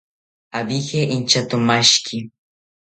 Abije intyatomashiki